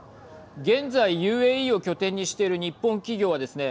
現在ＵＡＥを拠点にしている日本企業はですね